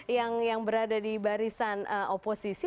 yang berada di barisan oposisi